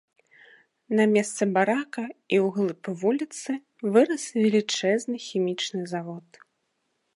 На месцы барака і ў глыб вуліцы вырас велічэзны хімічны завод.